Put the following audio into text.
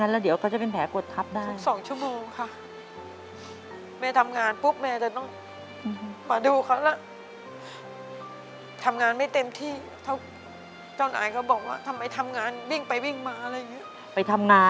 ทุกสองชั่วโมงค่ะ